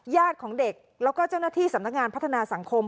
ของเด็กแล้วก็เจ้าหน้าที่สำนักงานพัฒนาสังคม